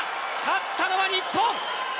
勝ったのは日本！